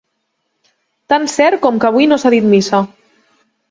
Tan cert com que avui s'ha dit missa.